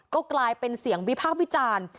ก็กลายเป็นเสียงวิพากษ์วิจารณ์